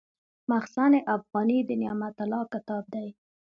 مخزن افغاني د نعمت الله کتاب دﺉ.